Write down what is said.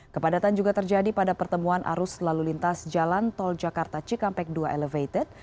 kepadatan juga terjadi pada pertemuan arus lalu lintas jalan tol jakarta cikampek dua elevated